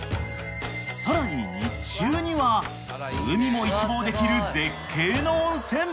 ［さらに日中には海も一望できる絶景の温泉］